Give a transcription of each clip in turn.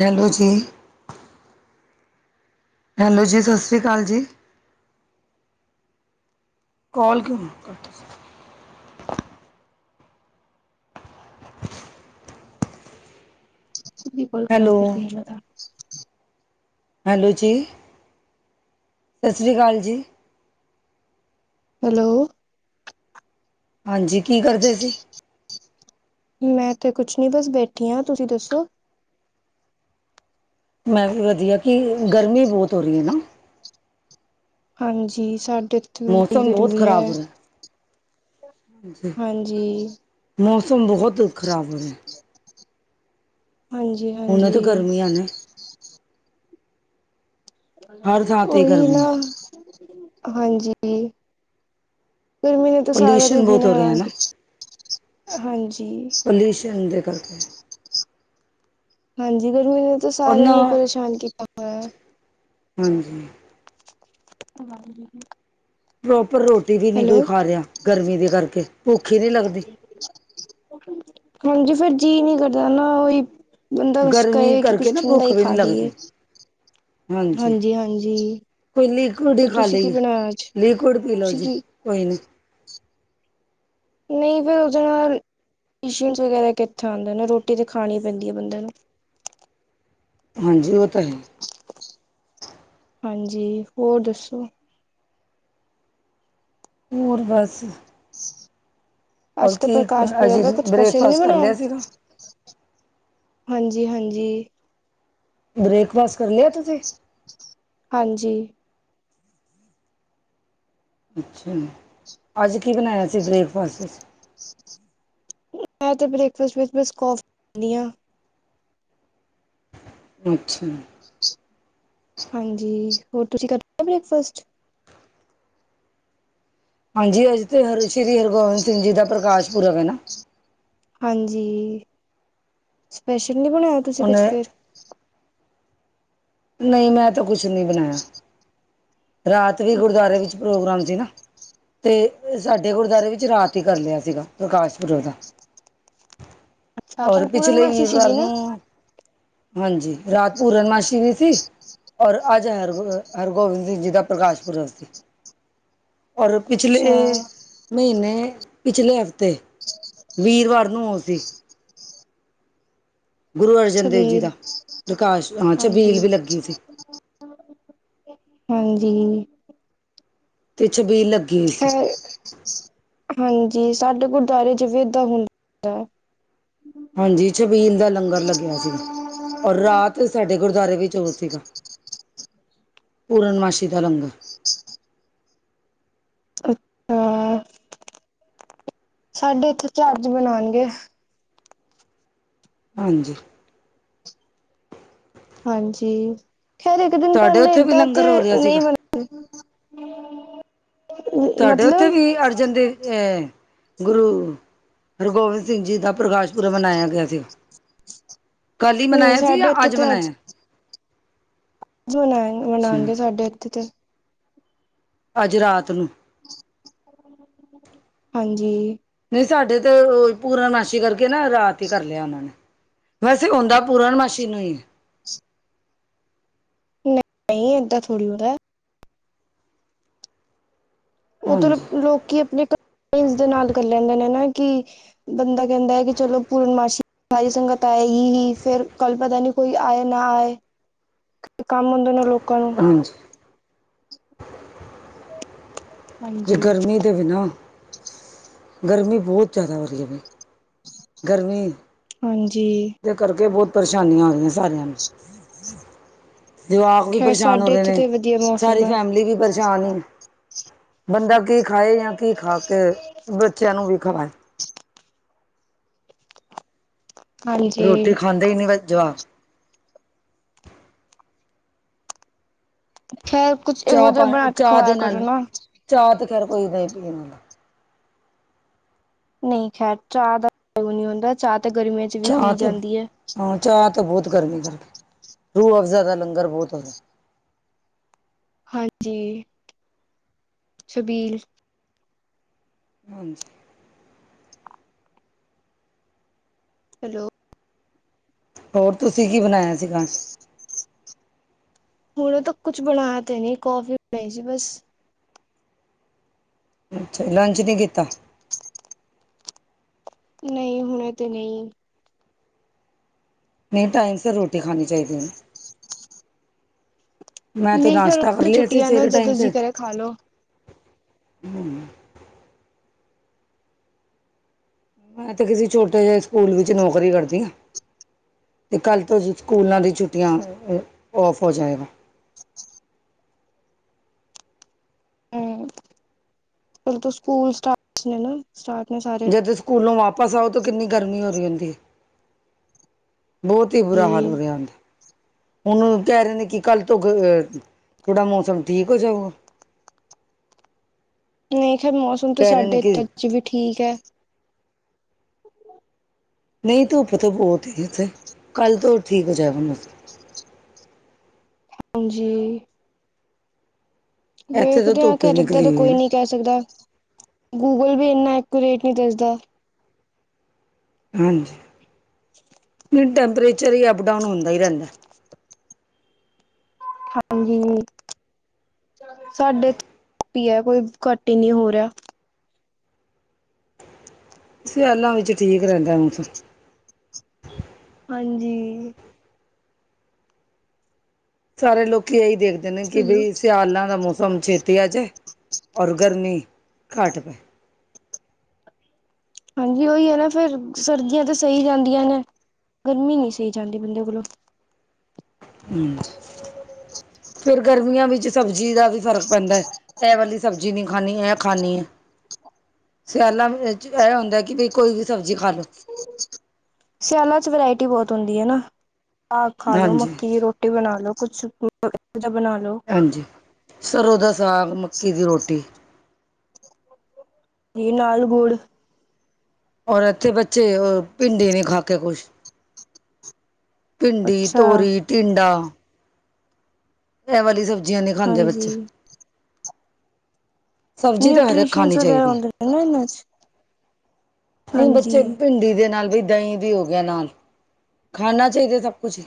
Hello ਜੀ। Hello ਜੀ, ਸਤਿ ਸ੍ਰੀ ਕਾਲ ਜੀ। ਕਾੱਲ ਕਿਉਂ ਕੱ [inaudible] ਸਿੱਧੀ ਕਾੱਲ ਖਰਾਬ ਹੈਲੋ, ਕਰਨੀਂ ਐਂ ਮੈੰ ਤਾਂ। ਹੈਲੋ ਜੀ। ਸਸ ਸ੍ਰੀ ਕਾਲ ਜੀ। ਹੈਲੋ। ਹਾਂਜੀ, ਕੀ ਕਰਦੇ ਸੀ? ਮੈਂ ਤੇ ਕੁਛ ਨੀਂ ਬਸ ਬੈਠੀ ਆਂ, ਤੁਸੀਂ ਦੱਸੋ? ਮੈਂ ਵੀ ਵਦੀਆ, ਕਿ ਗਰਮੀ ਬੋਤ ਹੋ ਰਈ ਐ, ਨਾ। ਹਾਂਜੀ, ਸਾਡੇ ਵੀ ਬੜੀ ਮੌਸਮ ਬੋਤ ਗਰਮੀ ਹੈ ਖਰਾਬ ਹੋ ਰਹਾ। ਹਾਂਜੀ ਮੌਸਮ ਬੋਹਤ ਖਰਾਬ ਹੋ ਰਹਾ। ਹਾਂਜੀ। ਹੁਨ ਤਾਂ ਹਾਂਜੀ ਗਰਮੀਆ ਨਾ। ਹਰ ਥਾਂ ਤੇ ਓਈ ਗਰਮੀ ਨਾ, ਹੈ। ਹਾਂਜੀ। ਗਰਮੀ ਨੇ ਤਾਂ ਸਾਰੇਆਂ ਦਾ ਪੋਲਿਊਸ਼ਨ ਬਹੁਤ ਜੀਨਾਂ ਹੋ ਰਿਹਾ ਹਰਾਮ ਨਾ ਕੀਤਾ। ਹਾਂਜੀ। ਪੋਲਿਊਸ਼ਨ ਦੇ ਕਰਕੇ ਹਾਂਜੀ, ਗਰਮੀ ਨੇ ਤਾਂ ਔਰ ਸਾਰੇਆਂ ਨਾ ਨੂੰ ਈ ਪਰੇਸ਼ਾਨ ਕੀਤਾ ਹੋਏਆ। ਹਾਂਜੀ। [inaudible] ਪ੍ਰੋਪਰ ਰੋਟੀ ਵੀ ਨੀ ਕੋਈ ਹੈਲੋ ਖਾ ਰੇਆ ਗਰਮੀ ਦੇ ਕਰਕੇ, ਭੁੱਖ ਈ ਨਈਂ ਲੱਗਦੀ। ਹਾਂਜੀ, ਫੇਰ ਜੀਅ ਨੀਂ ਕਰਦਾ ਨਾ ਓਈ ਬੰਦਾ ਬਸ ਗਰਮੀ ਕਏ ਕਿ, ਕਰਕੇ ਕੁਛ ਨਾ ਠੰਡਾ ਭੁੱਖ ਈ ਵੀ ਖਾ ਨਹੀਂ ਲਈਏ ਲੱਗਦੀ ਹਾਂਜੀ। ਹਾਂਜੀ-ਹਾਂਜੀ। ਕੋਈ ਲਿਕੁਅਡ ਈ ਖਾ ਲਈਏ, ਲਿਕੁਅਡ ਪੀ ਲਓ ਤੁਸੀਂ ਜੀ, ਕੀ ਕੋਈ ਨੀਂ ਨਹੀਂ ਫੇਰ ਉਹਦੇ ਨਾਲ ਈਸੀ਼ੰਸ ਵਗੈਰਾ ਕਿੱਥੇ ਆਂਦੇਨੇ ਰੋਟੀ ਤਾਂ ਖਾਨੀ ਪੈਂਦੀ ਐ ਬੰਦੇ ਨੂੰ। ਹਂਜੀ, ਔਹ ਤੈ ਹੈ। ਹਂਜੀ, ਹੋਰ ਦੱਸੋ। ਪੂਰਬਜ਼। ਅੱਜ ਤਾਂ ਪ੍ਰਕਾਸ਼ ਅੱਜ ਪੁਰਬ ਐ ਕੁਛ ਸਪੈਸ਼ਲ ਨੀ ਬ੍ਰੇਕਫਾਸਟ ਕਰ ਬਨਾਇਆ। ਲਿਆ ਸੀਗਾ ਹਂਜੀ, ਹਂਜੀ। ਬ੍ਰੇਕਫਾਸਟ ਕਰ ਲਿਆ ਤੁਸੀਂ। ਹਂਜੀ, ਅੱਛਾ, ਅੱਜ ਕੀ ਬਨਾਇਆ ਸੀ ਬ੍ਰੇਕਫਾਸਟ 'ਚ। ਐ ਤਾਂ ਬ੍ਰੇਕਫਾਸਟ, ਬੇ੍ਕਫਾਸਟ ਕੌਫ ਪੀਨੀਆਂ। ਅੱਛਾ। ਹਂਜੀ, ਹੋਰ ਤੁਸੀਂ ਕਰਨੈ ਬ੍ਰੇਕਫਾਸਟ। ਹਾਂਜੀ ਅੱਜ ਤੇ ਹਰ ਸ਼੍ਰੀ ਹਰਗੋਬਿੰਦ ਸਿੰਘ ਜੀ ਦਾ ਪ੍ਰਕਾਸ਼ ਪੁਰਬ ਹੈ ਨਾ। ਹਂਜੀ, ਸਪੈਸ਼ਲ ਨਹੀਂ ਬਨਾਇਆ ਤੁਸੀਂ ਕੁਛ ਉਹਨੇ ਫੇਰ ਨਹੀਂ ਮੈਂ ਤਾਂ ਕੁਛ ਨੀ ਬਨਾਇਆ ਰਾਤ ਵੀ ਗੁਰਦੁਆਰੇ ਵਿੱਚ ਪ੍ਰੋਗਰਾਮ ਸੀ ਨਾ। ਤੇ ਸਾਡੇ ਗੁਰਦੁਆਰੇ ਵਿੱਚ ਰਾਤ ਹੀ ਕਰ ਲਿਆ ਸੀਗਾ ਪ੍ਰਕਾਸ਼ ਪੁਰਬ ਦਾ। ਅੱਛਾ ਹੋਰ ਕੱਲ ਪਿਛਲੇ ਪੂਰਨਮਾਸ਼ੀ ਵੀਰਵਾਰ ਸੀਗੀ ਨਾ ਨੂੰ ਹਂਜੀ, ਰਾਤ ਪੂਰਨਮਾਸੀ ਵਿੱਚ ਸੀ ਔਰ ਅੱਜ ਹਰਗੋ ਹਰਗੋਬਿੰਦ ਸਿੰਘ ਜੀ ਦਾ ਪ੍ਰਕਾਸ਼ ਪੁਰਬ ਸੀ। ਔਰ ਪਿਛਲੇ ਅੱਛਾ ਮਹੀਨੇ ਪਿਛਲੇ ਹਫ਼ਤੇ ਵੀਰਵਾਰ ਨੂੰ ਔਹ ਸੀ। ਗੁਰੂ ਅਰਜਨ ਦੇਵ ਜੀ ਛਬੀਲ, ਦਾ ਪ੍ਰਕਾਸ਼ ਹਾਂ ਹਂਜੀ। ਛਬੀਲ ਵੀ ਲੱਗੀ ਸੀ ਹਂਜੀ, ਪਛ ਵੀ ਲੱਬ ਤੇ ਹਂਜੀ ਸਾਡੇ ਗੁਰਦੁਆਰੇ ਚ ਵੇ ਦਾ ਹੁੰਦਾ ਐ। ਹਂਜੀ, ਸ਼ਬੀਨ ਦਾ ਲੰਗਰ ਲੱਗਿਆ ਸੀਗਾ। ਔਰ ਰਾਤ ਸਾਡੇ ਗੁਰਦੁਆਰੇ ਵਿੱਚ ਔਹ ਸੀਗਾ ਪੂਰਨਮਾਸੀੀ ਦਾ ਲੰਗਰ। ਅੱਛਾ ਸਾਡੇ ਇੱਥੇ ਚਝੱਜ ਬਨਾਨਗੇ। ਹਂਜੀ, ਹਂਜੀ, ਖੈਰ ਇੱਕ ਦਿਨ ਤੁਹਾਡੇ ਪੈਲਾਂ ਉੱਥੇ ਵੀ ਏਦਾਂ ਤੇ ਲੰਗਰ ਹੋ ਰਿਹਾ ਸੀਗਾ ਨਹੀਂ ਵਰਤ ਅਮ ਤੁਹਾਡੇ ਉੱਥੇ ਵੀ ਅਰਜਨ ਦੇਵ ਅਹ ਗੁਰੂ ਹਰਗੋਬਿੰਦ ਸਿੰਘ ਜੀ ਦਾ ਪ੍ਰਕਾਸ਼ ਪੁਰਬ ਮਨਾਇਆ ਗਿਆ ਸੀਗਾ। ਕੱਲ ਹੀ ਨਹੀਂ ਮਨਾਇਆ ਸੀ ਸਾਡੇ ਜਾਂ ਇੱਥੇ ਅੱਜ ਮਨਾਇਆ। ਜੋ ਮਨਾ ਅੱਛਾ, ਮਨਾਨਗੇ ਸਾਡੇ ਇੱਥੇ ਤੇ ਅੱਜ ਰਾਤ ਨੂੰ। ਹਂਜੀ, ਨਹੀਂ ਸਾਡੇ ਤੇ ਪੂਰਨ ਮਾਸੀ ਕਰਕੇ ਨਾ ਰਾਤ ਹੀ ਕਰ ਲਿਆ, ਉਹਨਾਂ ਨੇ ਵੈਸੇ ਹੁੰਦਾ ਪੂਰਨ ਮਾਸ਼ੀ ਨੂੰ ਈ। ਨਹੀਂ, ਨਹੀਂ ਏਦਾਂ ਥੋੜ੍ਹੀ ਹੋਦਾਐ। ਔਹ ਤ ਹਾਂਜੀ, ਲੋਕੀ ਅਪਨੇ ਦੇ ਨਾਲ ਕਰ ਲੈਂਦੇ ਨੇ, ਕਿ ਬੰਦਾ ਕੈਂਦਾ ਹੈ ਕਿ ਚਲੋ ਪੂਰਨਮਾਸ਼ੀ ਭਈ ਸੰਗਤ ਆਏ ਗੀ ਹੀ ਫੇਰ ਕਲ ਪਤਾ ਨਹੀਂ ਕੋਈ ਆਏ ਨਾ ਆਏ। ਕੰਮ ਹੁੰਦੇ ਨੇ ਲੋਕਾਂ ਨੂੰ ਹਾਂਜੀ। ਜੇ ਹਾਂਜੀ ਗਰਮੀ ਦੇ ਬਿਨਾਂ। ਗਰਮੀ ਬਹੋਤ ਜ਼ਿਆਦਾ ਹੋ ਰਹੀ ਹੈ ਵੀ, ਗਰਮੀ। ਹਾਂਜੀ। ਜਿਸ ਕਰਕੇ ਬੋਤ ਪਰੇਸ਼ਾਨੀਆਂ ਆ ਰਹੀਆਂ ਸਾਰਿਆਂ ਨੂੰ। ਜਵਾਕ ਵੀ ਖੈਰ ਪਰੇਸ਼ਾਨ ਹੋ ਸਾਡੇ ਰਹੇ ਇੱਥੇ ਨੇ, ਤੇ ਵਧੀਆ ਮੌਸਮ ਸਾਰੀ ਹੈ ਫੈਮਿਲੀ ਵੀ ਪਰੇ- ਸਾ਼ਨ ਏ ਬੰਦਾ ਕੀ ਖਾਏ ਜਾਂ ਕੀ ਖਾ ਕੇ ਬੱਚਿਆਂ ਨੂੰ ਵੀ ਖਵਾਏ। ਰੋਟੀ ਹਾਂਜੀ ਖਾਂਦੇ ਹੀ ਨੀ ਜਵਾ- ਖੈਰ ਕੁਛ ਇਹੋ ਜਿਹਾ ਬਣਾ ਕੇ ਖਵਾਇਆ ਕਰੋ ਨਾ। ਚਾਹਅ ਤੇ ਖੈਰ ਕੋਈ ਨਹੀ ਪੀਣਦਾ। ਨਹੀਂ ਖੈਰ ਚਾਹ ਦਾ ਤਾਂ ਨੀ ਹੁੰਦਾ ਚਾਹ ਤੇ ਗਰਮੀਆਂ ਚ। ਵੀ ਚਾਹ ਪੀ ਤੇ, ਜਾਂਦੀ ਹੈ ਹਾਂ ਚਾਹਅ ਤੇ ਬੋਤ ਕਰਮੀ ਕਰਦੀ ਰੂਹ ਅਫਜ਼ਾਦਾ ਦਾ ਲੰਗਰ ਬੋਤ ਹੋੰਦਾ। ਹਾਂਜੀ। ਸ਼ਬੀਲ। ਹਾਂਜੀ। ਹੈਲੋ, ਹੋਰ ਤੁਸੀਂ ਕੀ ਬਣਾਇਆ ਸੀਗਾ ਆਜ? ਹੁਣ ਤੇ ਕੁਛ ਬਣਾਇਆ ਤੇ ਨੀ ਕੌਫੀ ਬਣਾਈ ਸੀ ਬਸ। ਅੱਛਾ ਲੰਚ ਨਹੀਂ ਕੀਤਾ। ਨਹੀਂ ਹੁਣੇ ਤੇ ਨਹੀਂ। ਨਹੀਂ ਟਾਈਮ ਸਿਰ ਰੋਟੀ ਖਾਣੀ ਚਾਹੀਦੀ ਹੈ, ਨਾ। ਮੈਂ ਤੇ ਨਹੀਂ ਖੈਰ ਨਾਸ਼ਤਾ ਕਰ ਲਿਆ ਸੀ ਛੁੱਟੀਆਂ ਨੇ ਸਵੇਰੇ ਟਾਈਮ ਜਦੋਂ ਜੀ ਸਿਰ, ਕਰੇ ਖਾ ਲੋ ਹੂੰ। ਮੈਂ ਤੇ ਕਿਸੇ ਛੋਟੇ ਜਿਹੇ ਸਕੂਲ ਵਿੱਚ ਨੌਕਰੀ ਕਰਦੀ ਹਾਂ। ਤੇ ਕੱਲ ਤੋਂ ਸਕੂਲਾਂ ਦੀ ਛੁੱਟੀਆਂ, ਔਫ ਹੋ ਜਾਏਗਾ। ਚਲ ਤੋ ਸਕੂਲ ਸਟਾਰਟ ਨੇ ਨਾ ਸਟਾਟ ਨੇ ਸਾਰੇ। ਜਦ ਸਕੂਲੋਂ ਵਾਪਸ ਆਓ ਤੋਂ ਕਿੰਨੀ ਗਰਮੀ ਹੋ ਰਹੀ ਹੁੰਦੀ ਹੈ। ਬੋਤ ਹੀ ਬੁਰਾ ਹਾਲ ਹੋ ਰਿਹਾ ਹੁੰਦਾ। ਉਹਨੂੰ ਕਹਿ ਰਹੇਿੰ ਨੇ ਕਿ ਕੱਲ ਤੋਂ, ਥੋੜਾ ਮੌਸਮ ਠੀਕ ਹੋ ਜਾਏਗਾ। ਨਹੀਂ ਖੇਰ ਮੌਸਮ ਤੇ ਕਹਿ ਰਹੇ ਨੇ ਸਾਡੇ ਇਥੇ ਕਿ ਆਚ ਵੀ ਠੀਕ ਹੈ। ਹ [unintelligible] ਨਹੀਂ ਧੁੱਪ ਤੇ ਬੋਤ ਹੀ ਇੱਥੇ ਕੱਲ ਤੋਂ ਠੀਕ ਹੋ ਜਾਏਗਾ ਮੋਸਮ। ਹਾਂਜੀ। ਇੱਥੇ ਤਾਂ ਵੇਖਦੇ ਆ ਧੁੱਪ ਹੀ ਖੈਰ ਇੱਦਾਂ ਨਿਕਲੀ ਤਾਂ ਕੋਈ ਹੋਈ ਹੈ ਨੀ। ਕਹਿ ਸਕਦਾ, ਗੂਗਲ ਵੀ ਇੰਨਾ ਐਕੂਰੇਟ ਨਹੀਂ ਦੱਸਦਾ। ਹਾਂਜੀ। ਨਹੀਂ ਟੈਂਪਰੇਚਰ ਹੀ ਅਪਡਾਊਨ ਹੁੰਦਾ ਹੀ ਰਹਿੰਦਾ। ਹਾਂਜੀ ਸਾਡੇ ਤੇ ਘਟ ਹੀ ਹੈ, ਕੋਈ ਘੱਟ ਹੀ ਨਹੀਂ ਹੋ ਰਿਹਾ। ਸਿਆਲਾਂ ਵਿੱਚ ਠੀਕ ਰਹਿੰਦਾ ਮੌਸਮ। ਹਾਂਜੀ। ਸਾਰੇ ਲੋਕੀ ਇਹੀ ਦੇਖਦੇ ਨੇ ਕਿ ਹੈਲੋ। ਬਈ ਸਿਆਲਾਂ ਦਾ ਮੌਸਮ ਚ, ਟਿਆ ਆ ਜਾਏ ਔਰ ਗਰਮੀ ਘਾਟ ਪਏ। ਹਾਂਜੀ ਉਹੀ ਹੈ ਨਾ ਫੇਰ ਸਰਦੀਆਂ ਤਾਂ ਸਹੀ ਜਾਂਦੀਆਂ ਨੇ, ਗਰਮੀ ਨਹੀਂ ਸਹੀ ਜਾਂਦੀ ਬੰਦੇ ਕੋਲੋਂ। ਹੂੰ ਜੀ ਫੇਰ ਗਰਮੀਆਂ ਵਿੱਚ ਸਬਜ਼ੀ ਦਾ ਵੀ ਫ਼ਰਕ ਪੈਂਦਾ ਹੈ, ਇਹ ਵਾਲੀ- ਸਬਜ਼ੀ ਨਹੀਂ ਖਾਣੀ ਇਹ ਖਾਣੀ ਹੈ ਸਿਆਲਾਂ ਇਹ ਹੁੰਦਾ ਕਿ ਬਈ ਕੋਈ ਵੀ ਸਬਜ਼ੀ ਖਾ ਲਓ ਸਿਆਲਾਂ ਚ ਵਰਾਇਟੀ ਬਹੁਤ ਹੁੰਦੀ ਹੈ ਨਾ ਸਾਗ ਖਾ ਲੋੋ ਹਾਂਜੀ ਮੱਕੀ ਦੀ ਰੋਟੀ ਰੋਟੀ ਬਣਾ ਲ ਲੋ ਕੁਛ ਬਣਾ ਲ ਲੋ ਹਾਂਜੀ ਸਰੋਂ ਦਾ ਸਾਗ ਮੱਕੀ ਦੀ ਰੋਟੀ ਘੀ ਨਾਲ ਗੁੜ ਔਰ ਇੱਥੇ ਬੱਚੇ ਭਿੰਡੀ ਨੀ ਖਾ ਕੇ ਖੁਸ਼ ਭਿੰਡੀ ਅੱਛਾ ਤੋਰੀ ਟਿੰਡਾ ਇਹ ਵਾਲੀ ਸਬਜ਼ੀਆਂ ਨਹੀਂ ਖਾਂਦੇ ਬੱਚੇ ਹਾਂਜੀ ਸਬਜ਼ੀ ਤਾਂ ਹਰੇਕ ਨਿਊਟ੍ਰਿਸ਼ਨ ਖਾਣੀ ਵਗੈਰਾ ਚਾਹੀਦੀ ਹੁੰਦੇ ਇਹਨਾਂ ਚ ਨਹੀਂ ਹਾਂਜੀ ਬੱਚੇ ਭਿੰਡੀ ਦੇ ਨਾਲ ਵੀ ਦਹੀਂ ਦੀ ਹੋ ਗਿਆ ਨਾਲ ਖਾਣਾ ਚਾਹੀਦਾ ਸਭ ਕੁਛ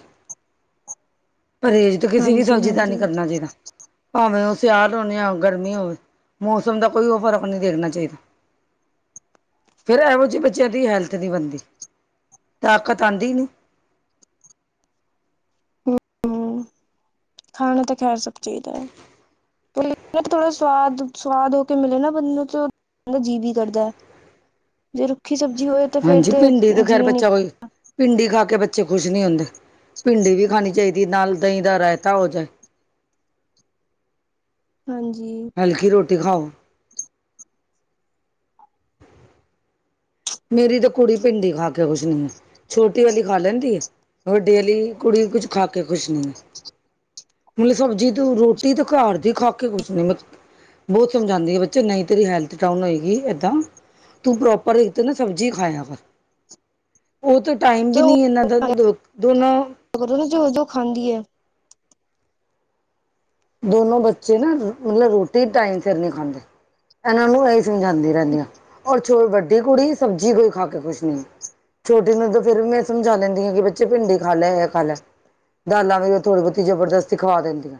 ਪਰਹੇਜ਼ ਕਿਸੇ ਵੀ ਹਾਂਜੀ ਸਬਜ਼ੀ ਦਾ ਨੀ ਹਾਂਜੀ ਕਰਨਾ ਚਾਹੀਦਾ ਭਾਵੇਂ ਉਹ ਸਿਆਲ ਹੋਦੇ ਆ ਗਰਮੀ ਹੋਵੇ ਮੌਸਮ ਦਾ ਕੋਈ ਉਹ ਫਰਕ ਨਹੀਂ ਦੇਖਣਾ ਚਾਹੀਦਾ ਫਿਰ ਇਹੋ ਜਿਹੇ ਬੱਚਿਆਂ ਦੀ ਹੈਲਥ ਨਹੀਂ ਬਣਦੀ ਤਾਕਤ ਆਉਂਦੀ ਨਹੀਂ ਹੂੰ ਖਾਣਾ ਤਾਂ ਖੈਰ ਸਭ ਚਾਹੀਦਾ ਹੈ ਥੋੜਾ ਸਵਾਦ ਸਵਾਦ ਹੋ ਕੇ ਮਿਲੇ ਨਾ ਬੰਨ ਨੂੰ ਜੀਭ ਹੀ ਕਰਦਾ ਜੇ ਰੁੱਖੀ ਸਬਜ਼ੀ ਹੋਏ ਤੇ ਫੇਰ ਹਾਂਜੀ ਭਿੰਡੀ ਤੇ ਖੈਰ ਜੀਅ ਨੀ ਬੱਚਾ ਕੋਈ ਭਿੰਡੀ ਖਾ ਕੇ ਬੱਚੇ ਖੁਸ਼ ਨਹੀਂ ਹੁੰਦੇ ਭਿੰਡੀ ਵੀ ਖਾਣੀ ਚਾਹੀਦੀ ਨਾਲ ਦਹੀਂ ਦਾ ਰਾਇਤਾ ਹੋ ਜਾਏ ਹਾਂਜੀ ਹਲਕੀ ਰੋਟੀ ਖਾਓ ਮੇਰੀ ਤਾਂ ਕੁੜੀ ਭਿੰਡੀ ਖਾ ਕੇ ਖੁਸ਼ ਨਹੀਂ ਹੈ ਛੋਟੀ ਵਾਲੀ ਖਾ ਲੈਂਦੀ ਹੈ ਵੱਡੇ ਵਾਲੀ ਕੁੜੀ ਕੁਝ ਖਾ ਕੇ ਖੁਸ਼ ਨਹੀਂ ਹੈਂ ਮਤਲਬ ਸਬਜ਼ੀ ਤੋਂ ਰੋਟੀ ਤੇ ਘਰ ਦੀ ਖਾ ਕੇ ਖੁਸ਼ ਨੀ ਮ ਬਹੁਤ ਸਮਝਾਉਂਦੀ ਆ ਬੱਚੇ ਨਹੀਂ ਤੇਰੀ ਹੈਲਥ ਡਾਊਨ ਹੋਏਗੀ ਏਦਾਂ ਤੂੰ ਪ੍ਰੋਪਰ ਉਤੇ ਨਾ ਸਬਜ਼ੀ ਖਾਇਆ ਕਰ ਉਹ ਤਾਂ ਟਾਈਮ ਵੀ ਨਹੀਂ ਇਨਾਂ ਦਾ ਦੋ ਦੋਨਾਂ ਦ ਅਗਰ ਉਹਨਾਂ ਜੋ ਜੋ ਖਾਂਦੀ ਹੈ ਦੋਨੋ ਬੱਚੇ ਨਾ ਮਤਲਬ ਰੋਟੀ ਟਾਈਮ ਸਿਰ ਨਹੀਂ ਖਾਂਦੇ ਇਹਨਾਂ ਨੂੰ ਜਾਂਦੀ ਰਹਿੰਦੀਆਂ ਔਰ ਵੱਡੀ ਕੁੜੀ ਸਬਜ਼ੀ ਕੋਈ ਖਾ ਕੇ ਖੁਸ਼ ਨਹੀਂ ਛੋਟੀ ਨੂੰ ਫਿਰ ਵੀ ਮੈਂ ਸਮਝਾ ਲੈਂਦੀ ਆ ਕਿ ਬੱਚੇ ਭਿੰਡੀ ਖਾ ਲੈ ਖਾ ਲੈ ਦਾਲਾਂ ਵੀ ਥੋੜ੍ਹੀ ਬਹੁਤੀ ਜਬਰਦਸਤੀ ਖਵਾ ਦਿੰਦੀਆਂ